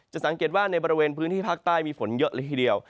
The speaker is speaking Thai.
สังเกตว่าในบริเวณพื้นที่ภาคใต้มีฝนเยอะเลยทีเดียว